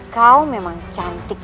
kau memang cantik